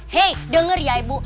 hei denger ya ibu